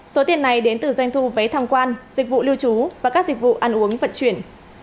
số tiền này đến từ doanh thu vé tham quan dịch vụ lưu trú và các dịch vụ ăn uống vận chuyển